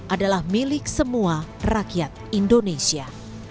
adalah milik semua rakyat indonesia